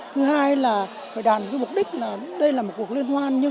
thứ hai là phải đạt được cái mục đích là đây là một cuộc liên hoàn